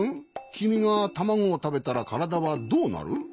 きみがたまごをたべたらからだはどうなる？